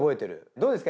どうですか？